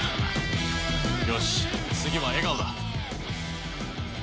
よし次は笑顔だ。